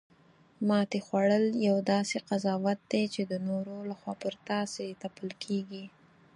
ماتې خوړل یو داسې قضاوت دی چې د نورو لخوا پر تاسې تپل کیږي